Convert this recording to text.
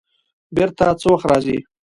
بېرته څه وخت راځې؟